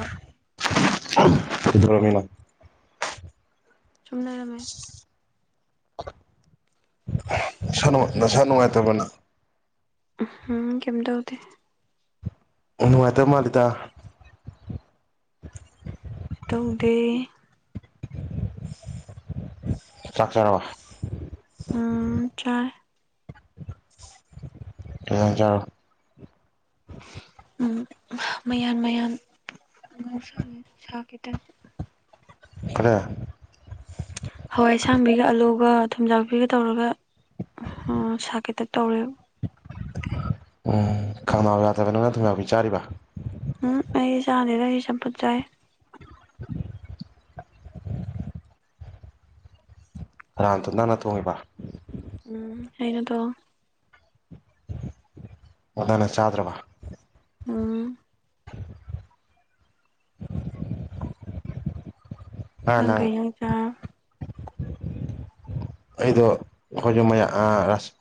ꯑ ꯀꯩꯗꯧꯔꯝꯃꯤꯅꯣ ꯁꯨꯝ ꯂꯩꯔꯝꯃꯦ ꯏꯁꯥꯅꯨꯡ ꯅꯁꯥ ꯅꯨꯡꯉꯥꯏꯇꯕꯔꯥ ꯅꯪ ꯎꯝ ꯍꯝ ꯀꯩꯝ ꯇꯧꯗꯦ ꯎꯝ ꯅꯨꯡꯉꯥꯏꯇꯕ ꯃꯥꯜꯂꯤꯗ ꯇꯧꯗꯦ ꯆꯥꯛ ꯆꯥꯔꯕꯥ ꯎꯝ ꯆꯥꯔꯦ ꯀꯩ ꯏꯪꯖꯥꯡ ꯆꯔꯕ ꯎꯝ ꯃꯌꯥꯟ ꯃꯌꯥꯟ ꯉꯧꯁꯜꯂꯦ ꯁꯥꯛ ꯀꯤ ꯇꯥꯏꯞꯇ ꯀꯔꯦ ꯍꯋꯥꯏ ꯑꯁꯥꯡꯕꯤꯒ ꯑꯥꯂꯨꯒ ꯊꯨꯝꯖꯥꯛꯄꯤꯒ ꯇꯧꯔꯒ ꯁꯥꯛꯀꯤ ꯇꯥꯏꯞ ꯇꯧꯔꯦꯕ ꯎꯝ ꯈꯧꯅꯥꯎ ꯌꯥꯗꯕ ꯅꯪꯅ ꯊꯨꯝꯌꯥꯛꯄꯤ ꯆꯥꯔꯤꯕ ꯍꯝ ꯑꯩ ꯆꯥꯗꯦꯗ ꯑꯩ ꯆꯝꯐꯨꯠ ꯆꯥꯏ [inaudible] ꯀꯅꯥꯅ ꯊꯣꯡ ꯅꯪꯅ ꯊꯣꯡꯉꯤꯕ ꯎꯝ ꯑꯩꯅꯗꯣ ꯑꯣ ꯅꯪꯅ ꯆꯥꯗ꯭ꯔꯕ ꯎꯝ [inaudible] ꯅꯪ ꯀꯩ ꯌꯦꯟꯖꯥꯡ ꯆꯥꯔꯒꯦ꯫ ꯑꯩꯗꯣ ꯑꯩꯈꯣꯏꯃꯌꯥ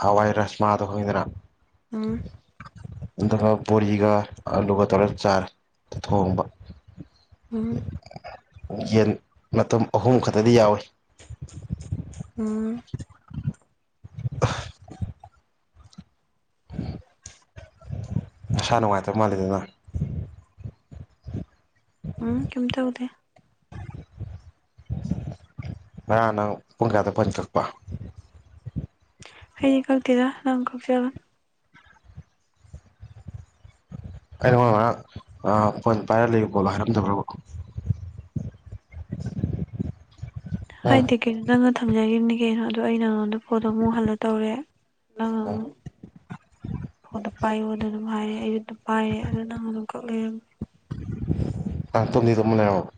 ꯍꯋꯥꯏ ꯔꯁꯃꯥꯗꯣ ꯈꯪꯏꯗꯅ꯫ ꯎꯟ꯫ ꯑꯗꯨꯒꯥ ꯕꯣꯔꯤꯒꯥ ꯑꯂꯨꯒꯥ ꯇꯧꯔ ꯆꯥꯔꯦ꯫ ꯊꯣꯡꯕ꯫ ꯎꯝ ꯌꯦꯟ ꯃꯇꯝ ꯑꯍꯨꯝ ꯈꯛꯇꯗꯤ ꯌꯥꯎꯏ ꯫ ꯎꯝ꯫ [inaudible] [inaudible] ꯏꯁꯁꯥ ꯅꯨꯡꯉꯥꯏꯇꯕ ꯃꯥꯜꯂꯤꯗꯅꯪ꯫ ꯎꯝ ꯀꯦꯝ ꯇꯧꯗꯦ ꯉꯔꯥꯡ ꯅꯪ ꯄꯨꯡ ꯀꯌꯥꯗ ꯄꯟ ꯀꯛꯄ ꯍꯩꯗꯤ ꯀꯛꯇꯦꯗꯥ ꯅꯪ ꯀꯛꯆꯔꯥ ꯑꯩ ꯅꯪꯉꯣꯟꯗꯥ ꯉꯔꯥꯛ ꯑ ꯐꯣꯟ ꯄꯥꯏꯔ ꯂꯩꯌꯨ ꯈꯣꯠꯂꯨ ꯍꯥꯏꯔꯝꯗꯕ꯭ꯔꯕ ꯎꯝ ꯍꯥꯏꯗꯦ ꯀꯩꯅꯣ ꯅꯪꯅ ꯊꯝꯖꯈꯤꯕꯅꯤ ꯀꯩꯅꯣ ꯑꯗꯨ ꯑꯩꯅꯔꯣ ꯑꯗꯨ ꯐꯣꯟꯗꯣ ꯑꯃꯨꯛ ꯍꯜꯂ ꯇꯧꯔꯦ ꯅꯪ ꯑꯃꯨꯛ ꯐꯣꯟꯗꯣ ꯄꯥꯏꯌꯣ ꯑꯗꯨꯅ ꯗꯨꯝ ꯍꯥꯏꯔꯦ ꯑꯩꯖꯨ ꯑꯗꯨꯝ ꯄꯥꯏꯔꯦ ꯑꯗꯨ ꯅꯪ ꯑꯗꯨꯝ ꯀꯛꯂꯩꯔꯝꯃꯤ ꯑ ꯇꯨꯝꯗꯤ ꯇꯨꯝ ꯂꯩꯔꯝꯕꯥ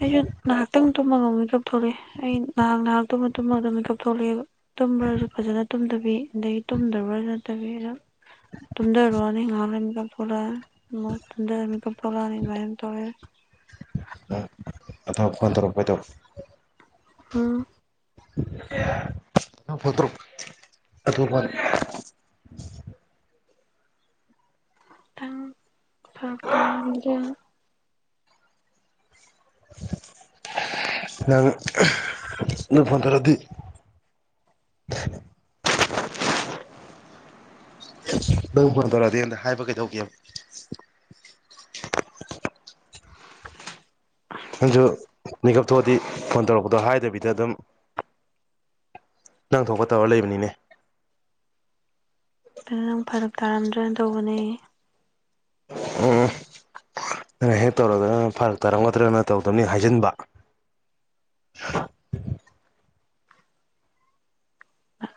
ꯑꯩꯖꯨ ꯅꯥꯍꯥꯛꯇꯪ ꯇꯨꯝꯃꯒ ꯃꯤꯀꯞ ꯊꯣꯛꯂꯛꯑꯦ ꯑꯩ ꯉꯍꯥꯛ ꯉꯍꯥꯛ ꯇꯨꯝꯃ ꯇꯨꯝꯃꯒ ꯃꯤꯀꯞ ꯊꯣꯛꯂꯛꯑꯦꯕ ꯇꯨꯝꯕ꯭ꯔꯁꯨ ꯐꯖꯅ ꯇꯨꯝꯗꯕꯤ ꯑꯗꯒꯤ ꯇꯨꯝꯗꯕ꯭ꯔꯁꯨ ꯅꯠꯇꯕꯤ ꯑꯗꯨ꯫ ꯇꯝꯗꯔꯣꯅꯤ ꯉꯩꯍꯛ ꯂꯩꯔꯥ ꯅꯤꯀꯞ ꯊꯣꯛꯂꯛ ꯑꯅꯤ꯫ ꯑꯃꯨꯛ ꯇꯨꯝꯊꯔꯥ ꯃꯤꯠꯀꯞ ꯊꯣꯔꯛꯅꯤ ꯑꯗꯨꯅ ꯑꯗꯨꯝ ꯇꯧꯔꯥ ꯂꯩꯔꯦ꯫ ꯑꯗꯣ ꯐꯣꯟ ꯇꯧꯔꯛꯄ ꯒꯤꯗꯣ꯫ ꯎꯝ꯫ ꯐꯠꯇꯔ ꯑꯗꯨ ꯃꯥꯔꯦ [unintelligible] ꯈꯤꯇꯥꯪ ꯐꯥ [unintelligible] ꯅꯪ ꯅꯣꯢ ꯐꯟ ꯇꯔꯥꯗꯤ꯫ [inaudible] [unintelligible] ꯅꯪ ꯐꯣꯟ ꯇꯧꯔꯛꯑꯗꯤ ꯍꯥꯏꯕ ꯀꯩꯗꯧꯒꯦꯕ꯫ ꯅꯪꯁꯨ ꯃꯤꯀꯞ ꯊꯣꯛꯑꯗꯤ ꯐꯣꯟ ꯇꯧꯔꯛꯄꯗꯣ ꯍꯥꯏꯗꯕꯤꯗ ꯑꯗꯨꯝ꯫ ꯅꯪ ꯊꯣꯛꯄ ꯇꯧꯔ ꯂꯩꯕꯅꯤꯅꯦ꯫ ꯑꯗꯥ ꯅꯪ ꯐꯔꯛ ꯇꯥꯔꯝꯗ꯭ꯔꯥꯅ ꯇꯧꯕꯅꯦ꯫ ꯎꯝ ꯅꯪꯅꯥ ꯍꯦꯛ ꯇꯧꯔꯒꯅꯥ ꯐꯥꯔꯛ ꯇꯥꯔꯝꯒꯗ꯭ꯔꯥ ꯅ ꯇꯧꯗꯕꯅꯤ ꯍꯦꯛ ꯍꯥꯏꯖꯤꯟꯕ꯫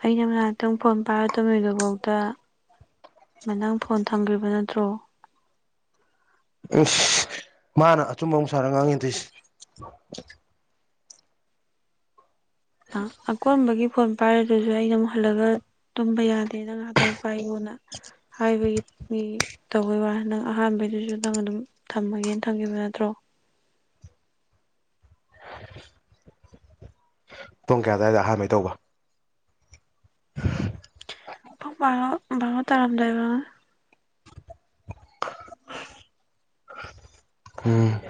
ꯑꯩꯅ ꯉꯥꯏꯍꯥꯛꯇꯪ ꯐꯣꯟ ꯄꯥꯏꯔ ꯇꯨꯝꯃꯤꯗꯨ ꯐꯥꯎꯗ ꯐꯣꯟ ꯊꯝꯈꯤꯕꯅ꯫ ꯊ꯭ꯔꯣ꯫ ꯑꯁ ꯃꯥꯅ ꯑꯆꯨꯝꯕ ꯑꯃꯨꯛ ꯁꯥꯔꯒ ꯉꯥꯡꯉꯛꯑꯦ ꯊꯧꯔꯤꯁꯦ꯫ [inaudible] ꯑ ꯑꯀꯣꯟꯕꯒꯤ ꯐꯣꯟ꯫ ꯄꯥꯏꯔꯗꯨꯁꯨ ꯑꯩꯅ ꯑꯃꯨꯛ ꯍꯜꯂꯒ ꯇꯨꯝꯕ ꯌꯥꯗꯦꯅ ꯉꯥꯏꯍꯥꯛꯇꯪ ꯄꯥꯏꯉꯣꯅ꯫ ꯍꯥꯏꯕꯒꯤ ꯃꯤ꯫ ꯇꯧꯕꯩ ꯋꯥ ꯅꯪ ꯑꯍꯥꯟꯕꯩꯗꯨꯁꯨ ꯅꯪ ꯑꯗꯨꯝ ꯊꯝꯃꯒꯦꯅ ꯊꯝꯈꯤꯕ ꯅꯠꯇ꯭ꯔꯣ꯫ [inaudible] ꯄꯨꯡ ꯀꯌꯥ ꯑꯗꯥꯏꯗ ꯑꯍꯥꯟꯕꯩ ꯇꯧꯕ꯫ ꯄꯨꯡ ꯕꯥꯔꯣ ꯕꯥꯔꯣ ꯇꯥꯔꯝꯗꯥꯏ ꯑꯣꯢꯔꯝꯅꯤ꯫ ꯎꯝ꯫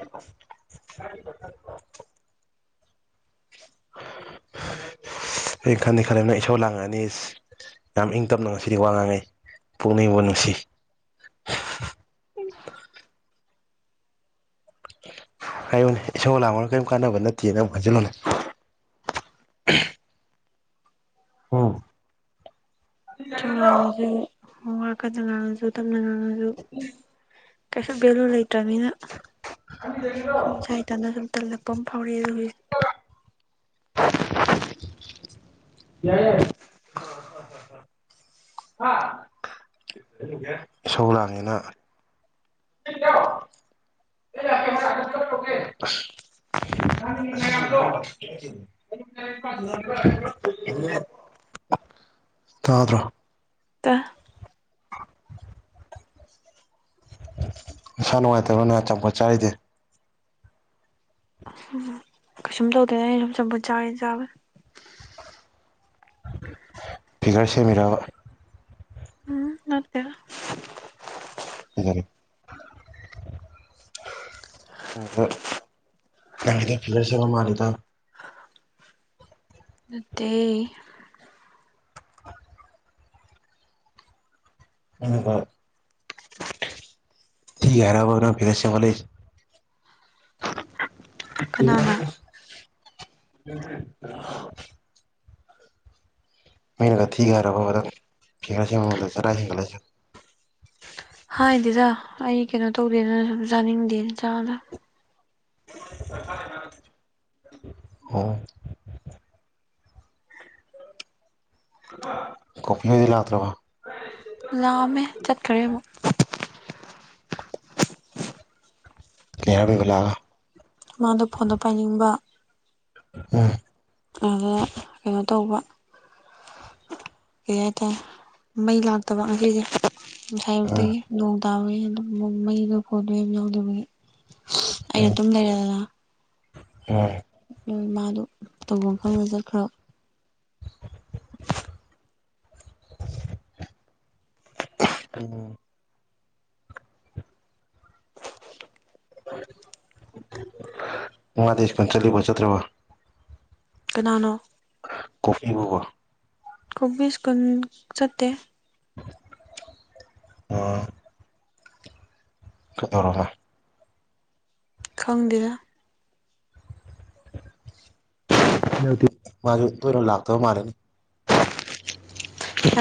[inaudible] ꯑꯩ ꯈꯟꯗꯤ ꯈꯟꯂꯦꯕꯥ ꯅꯪ ꯏꯁꯧ ꯂꯥꯡꯉꯛꯅꯤꯁꯦ꯫ ꯌꯥꯝ ꯏꯪ ꯇꯞꯅ ꯉꯁꯤꯗꯤ ꯋꯥ ꯉꯥꯡꯉꯩ ꯄꯨꯛꯅꯤꯡꯕꯨ ꯅꯨꯡꯁꯤ꯫ ꯍꯥꯢꯌꯨꯅꯦ ꯏꯁꯣꯔ ꯂꯥꯡꯕꯅ ꯀꯔꯤꯝ ꯀꯥꯟꯅꯕ ꯅꯠꯇꯦꯅ ꯑꯃꯨꯛ ꯍꯟꯖꯤꯜꯂꯣꯅꯦ꯫ ꯑꯥ [unintelligible] ꯏꯁꯧ ꯂꯥꯡꯕꯁꯦ ꯋꯥ ꯀꯟꯅ ꯉꯥꯡꯉꯁꯨ ꯇꯝꯅ ꯉꯥꯡꯉꯁꯨ꯫ ꯀꯩꯁꯨ ꯕꯦꯂꯨ ꯂꯩꯇ꯭ꯔꯝꯅꯤꯅ꯫ [inaudible] ꯁꯨꯝ ꯏꯁꯥ ꯏꯇꯟꯅ ꯁꯨꯝ ꯇꯜꯂꯛꯄ ꯑꯃ ꯐꯥꯎꯔꯛꯑꯦ [unintelligible] [inaudible] ꯁꯧꯂꯥꯡꯉꯤꯅ [inaudible] [inaudible] ꯇꯥꯗ꯭ꯔꯣ ꯇ ꯅꯁꯥ ꯅꯨꯡꯉꯥꯏꯇꯕ꯭ꯔꯥ ꯅꯪ ꯑꯆꯥꯄꯣꯠ ꯆꯥꯔꯤꯗꯤ꯫ ꯎꯝ ꯀꯩꯁꯨꯝ ꯇꯧꯗꯦꯅ ꯑꯩꯅ ꯆꯝꯐꯨꯠ ꯆꯥꯕꯩ ꯆꯥꯕꯅꯦ꯫ ꯐꯤꯒꯔ ꯁꯦꯝꯃꯤꯔꯕ꯫ ꯎꯝ ꯅꯠꯇꯦꯗ꯫ ꯐꯖꯔ꯫ ꯎ ꯍ [unintelligible] ꯅꯪꯒꯤꯗꯤ ꯐꯤꯒꯔ ꯁꯦꯝꯕ ꯃꯥꯜꯂꯤꯗ꯫ ꯅꯠꯇꯦ꯫ [unintelligible] [unintelligible] ꯀꯅꯥꯅ [inaudible] [inaudible] ꯃꯤꯅꯒ ꯊꯤꯒ ꯍꯥꯏꯔꯕꯕ ꯅꯪ ꯐꯤꯒꯔ [unintelligible] ꯆꯔꯥ [unintelligible] ꯍꯥꯏꯗꯤꯗ ꯑꯩ ꯀꯩꯅꯣ ꯇꯧꯗꯦꯅ ꯁꯨꯝ ꯆꯥꯅꯤꯡꯗꯦꯅ ꯆꯥꯗꯝꯅꯤ [unintelligible] [inaudible] [unintelligible] ꯂꯥꯑꯝꯃꯦ ꯆꯠꯈ꯭ꯔꯦ ꯑꯃꯨꯛ ꯀꯩ ꯍꯥꯏꯔꯝꯃꯤꯕ ꯂꯥꯛꯒ ꯃꯥꯗꯣ ꯐꯣꯟꯗ ꯄꯥꯏꯅꯤꯡꯕ ꯎꯝ [unintelligible] ꯀꯩꯅꯣ ꯇꯧꯕ ꯀꯩ ꯍꯥꯏꯇꯥꯔꯦ ꯃꯩ ꯂꯥꯛꯇꯕ ꯉꯁꯤꯖꯦ ꯎꯝ ꯉꯁꯥꯏꯌꯨꯛꯇꯒꯤ ꯅꯣꯡ ꯇꯥꯕꯒꯤ ꯑꯗꯨꯝ ꯃꯩꯗꯣ ꯐꯣꯟꯗꯣ ꯌꯥꯝ ꯌꯥꯎꯗꯕꯒꯤ [unintelligible] [unintelligible] ꯎꯝ ꯃꯥꯗꯣ ꯇꯧꯕꯝ ꯈꯪꯗ ꯆꯠꯈ꯭ꯔ [inaudible] ꯎꯝ ꯃꯥꯥꯗꯤ ꯁ꯭ꯀꯨꯟ ꯆꯠꯂꯤꯕꯣ ꯆꯠꯇ꯭ꯔꯕꯣ ꯀꯅꯥꯅꯣ ꯀꯣꯐꯤꯕꯨꯕ ꯀꯣꯕꯤ ꯁ꯭ꯀꯨꯜ ꯆꯠꯇꯦ ꯑꯣ ꯈ ꯇꯧꯔꯒ ꯈꯪꯗꯦ ꯃꯥꯖꯨ ꯇꯣꯏꯅ ꯂꯥꯛꯇ ꯃꯥꯂꯦꯅꯦ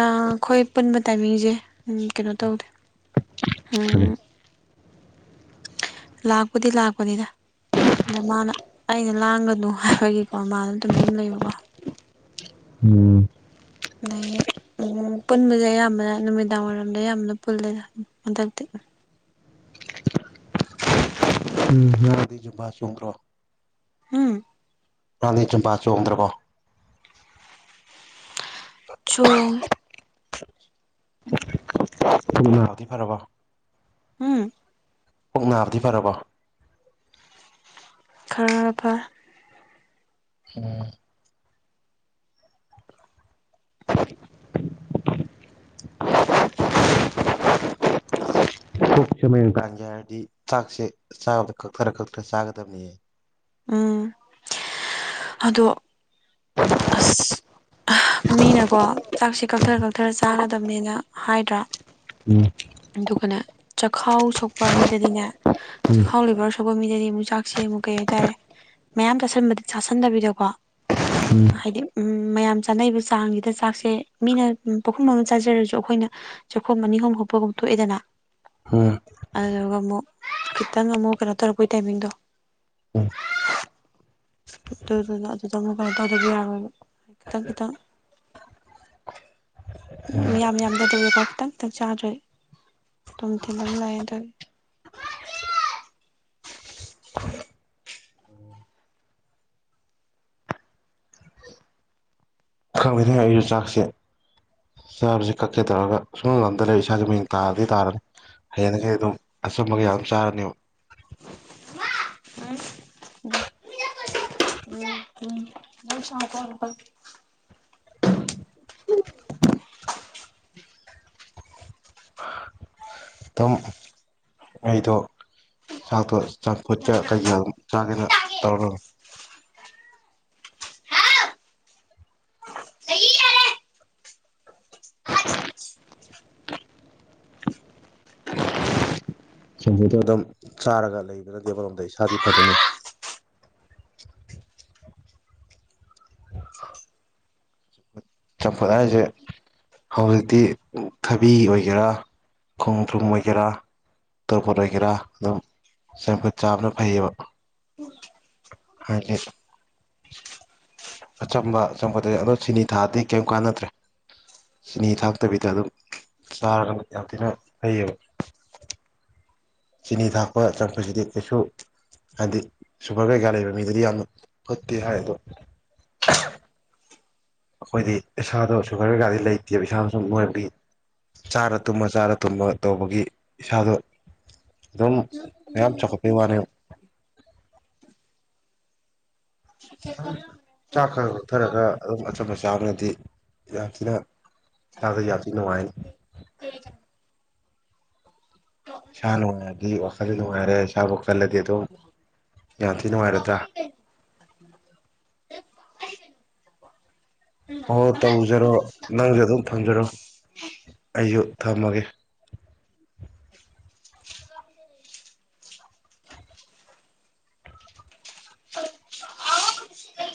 ꯑꯩꯈꯣꯏ ꯄꯨꯟꯕ ꯇꯥꯏꯃꯤꯡꯁꯦ ꯀꯩꯅꯣ ꯇꯧꯗꯦ ꯂꯥꯛꯄꯨꯗꯤ ꯂꯥꯛꯄꯅꯤꯗ ꯑꯗ ꯃꯥꯅ ꯑꯩꯅ ꯂꯥꯡꯒꯅꯨ ꯍꯥꯏꯕꯒꯤꯀꯣ ꯃꯥꯅ ꯇꯨꯃꯤꯝ ꯂꯩꯕꯀꯣ ꯎꯝ ꯑꯗꯒꯤ ꯎꯝ ꯄꯨꯟꯕꯁꯦ ꯑꯌꯥꯝꯕꯅ ꯅꯨꯃꯤꯗꯥꯡ ꯋꯥꯏꯔꯝꯗ ꯑꯌꯥꯝꯕꯅ ꯄꯨꯜꯂꯦꯗ ꯍꯟꯗꯛꯇꯤ ꯎꯝ [unintelligible] [unintelligible] ꯖꯨꯝꯕꯥ ꯆꯣꯡꯗ꯭ꯔꯣ ꯍꯝ ꯅꯪꯗꯤ ꯖꯨꯝꯕꯥ ꯆꯣꯡꯗ꯭ꯔꯕꯣ ꯆꯣꯡ ꯑꯦ ꯅꯥꯕꯗꯤ ꯐꯔꯕꯣ ꯎꯝ ꯄꯨꯛ ꯅꯥꯕꯗꯤ ꯐꯔꯕꯣ ꯈꯔ [unintelligible] ꯎꯝ [inaudible] [inaudible] ꯄꯨꯛꯁꯦ ꯃꯌꯦꯡ ꯇꯥꯍꯟꯒꯦ ꯍꯥꯏꯔꯗꯤ ꯆꯥꯛꯁꯦ ꯆꯥꯕꯗ ꯀꯛꯊꯔ ꯀꯛꯊꯔ ꯆꯥꯒꯗꯝꯅꯤꯌꯦ ꯎꯝ ꯑꯗꯣ ꯑꯁ ꯃꯤꯅꯀꯣ ꯆꯥꯛꯁꯦ ꯀꯛꯊꯔ ꯀꯛꯊꯔ ꯆꯥꯒꯗꯝꯅꯦꯅ ꯍꯥꯏꯗ꯭ꯔꯥ ꯎꯝ ꯑꯗꯨꯒꯅꯦ ꯆꯈꯥꯎ ꯁꯣꯛꯄ ꯃꯤꯗꯗꯤꯅꯦ ꯆꯥꯛꯈꯥꯎ ꯂꯤꯕꯔ ꯕ ꯃꯤꯗꯗꯤ ꯑꯃꯨꯛ ꯆꯥꯛꯁꯤ ꯑꯃꯨꯛ ꯀꯩ ꯍꯥꯏꯇꯥꯔꯦ ꯃꯌꯥꯝ ꯆꯟꯕ ꯆꯥꯁꯟꯗꯕꯤꯗꯀꯣ ꯍꯥꯏꯗꯤ ꯎꯝ ꯃꯌꯥꯝ ꯆꯥꯅꯩꯕ ꯆꯥꯡꯁꯤꯗ ꯆꯥꯛꯁꯦ ꯃꯤꯅ ꯄꯨꯈꯝ ꯑꯃ ꯆꯥꯖꯔꯁꯨ ꯈꯣꯏꯅ ꯆꯥꯛꯈꯣꯝ ꯑꯅꯤ ꯍꯨꯝ ꯍꯨꯞꯄꯒꯨꯝ ꯊꯣꯛꯑꯦꯗꯅ ꯍꯝ ꯑꯗꯨꯒ ꯃꯨꯛ ꯈꯤꯇꯪ ꯑꯃꯨꯛ ꯀꯩꯅꯣ ꯇꯧꯔꯛꯄꯒꯤ ꯇꯥꯏꯃꯤꯡꯗꯣ ꯑꯗꯨꯗꯨꯅ ꯑꯗꯨꯗ ꯑꯃꯨꯛ ꯀꯩꯅꯣ ꯇꯧꯗꯗꯤ ꯌꯥꯔꯣꯏꯕ ꯈꯤꯇꯪ ꯈꯤꯇꯪ ꯃꯤꯌꯥꯝ ꯃꯤꯌꯥꯝꯗ ꯑꯗꯨꯗꯀꯣ ꯈꯤꯇꯪ ꯈꯤꯇꯪ ꯆꯥꯗ꯭ꯔꯦ ꯑꯗꯨꯨꯝ ꯊꯤꯜꯂꯒ ꯂꯩꯌꯦ ꯑꯗ ꯈꯪꯗꯦꯅꯦ ꯑꯩꯁꯨ ꯆꯥꯛꯁꯦ ꯆꯥꯕꯁ ꯀꯛꯀꯦ ꯇꯧꯔꯒ ꯁꯨꯉꯝ ꯉꯝꯗ ꯂꯩ ꯏꯁꯥꯖꯦ ꯃꯌꯦꯡ ꯇꯥꯕꯗꯤ ꯇꯥꯔꯅꯤ ꯍꯌꯦꯡꯗꯒꯤ ꯑꯗꯨꯝ ꯑꯆꯝꯕ ꯀꯩꯀꯥ ꯑꯗꯨꯝ ꯆꯥꯔꯅꯦꯕ [unintelligible] [inaudible] ꯇꯝ ꯑꯩꯗꯣ ꯆꯥꯛꯇꯣ ꯆꯝꯐꯨꯠꯀ ꯀꯩꯀ ꯆꯥꯒꯦꯅ ꯇꯧꯔꯝꯃꯤ ꯁꯤꯡꯖꯨꯗꯣ ꯑꯗꯨꯝ ꯆꯥꯔꯒ ꯂꯩꯕꯅꯗꯤ ꯑꯃꯔꯣꯝꯗ ꯏꯁꯥꯗꯤ ꯐꯗꯣꯏꯅꯤ ꯆꯝꯐꯨꯗ ꯍꯥꯏꯁꯦ ꯍꯧꯖꯤꯛꯇꯤ ꯊꯕꯤ ꯑꯣꯏꯒꯦꯔꯥ ꯈꯣꯡꯗ꯭ꯔꯨꯝ ꯑꯣꯏꯒꯦꯔꯥ ꯇꯣꯔꯕꯣꯠ ꯑꯣꯏꯒꯦꯔꯥ ꯑꯗꯨꯝ ꯆꯝꯐꯨꯠ ꯆꯥꯕꯅ ꯐꯩꯌꯦꯕ ꯍꯥꯏꯗꯤ ꯑꯆꯝꯕ ꯆꯝꯐꯨꯠꯇꯗꯤ ꯑꯗꯣ ꯆꯤꯅꯤ ꯊꯥꯛꯑꯗꯤ ꯀꯩꯝ ꯀꯥꯟꯅꯗ꯭ꯔꯦ ꯆꯤꯅꯤ ꯊꯥꯛꯇꯕꯤꯗ ꯑꯗꯨꯝ ꯆꯥꯔꯒ ꯌꯥꯝ ꯊꯤꯅ ꯐꯩꯌꯦꯕ ꯆꯤꯅꯤ ꯊꯥꯛꯄ ꯆꯝꯐꯨꯠꯁꯤꯗꯤ ꯀꯩꯁꯨ ꯍꯥꯏꯗꯤ ꯁꯨꯒꯔ ꯀꯩꯀꯥ ꯂꯩꯕ ꯃꯤꯗꯗꯤ ꯌꯥꯝꯅ ꯐꯠꯇꯦ ꯍꯥꯏ ꯑꯗꯣ ꯑꯩꯈꯣꯏꯗꯤ ꯏꯁꯥꯗꯣ ꯁꯨꯒꯔ ꯀꯩꯀꯥꯗꯤ ꯂꯩꯇꯦꯕ ꯏꯁꯥꯗꯣ ꯁꯨꯝ ꯅꯣꯏꯕꯤ ꯆꯥꯔ ꯇꯨꯝꯃ ꯆꯥꯔ ꯇꯨꯝꯃꯒ ꯇꯧꯕꯒꯤ ꯏꯁꯥꯗꯣ ꯑꯗꯨꯝ ꯃꯌꯥꯝ ꯆꯥꯎꯈꯠꯄꯩ ꯋꯥꯅꯦꯕ ꯑꯗꯨꯝ ꯆꯥꯛ ꯈꯔ ꯀꯛꯊꯔꯒ ꯑꯗꯨꯝ ꯑꯆꯝꯕ ꯆꯥꯕꯅꯗꯤ ꯌꯥꯝ ꯊꯤꯅ ꯆꯥꯕ ꯌꯥꯝ ꯊꯤ ꯅꯨꯡꯉꯥꯏꯅꯤ ꯁꯥ ꯅꯨꯡꯉꯥꯏꯔꯗꯤ ꯋꯥꯈꯜꯗꯤ ꯅꯨꯡꯉꯥꯏꯔꯦ ꯏꯁꯥꯕꯨ ꯀꯜꯂꯗꯤ ꯑꯗꯨꯝ ꯌꯥꯝ ꯊꯤ ꯅꯨꯡꯉꯥꯏꯔꯗ꯭ꯔꯥ ꯍꯣ ꯍꯣ ꯇꯧꯖꯔꯣ ꯅꯪꯁꯨ ꯑꯗꯨꯝ ꯊꯝꯖꯔꯣ ꯑꯩꯁꯨ ꯊꯝꯃꯒꯦ